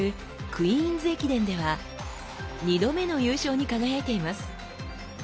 「クイーンズ駅伝」では２度目の優勝に輝いています。